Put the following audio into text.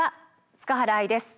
塚原愛です。